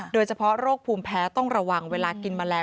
โดยเฉพาะโรคภูมิแพ้ต้องระวังเวลากินแมลง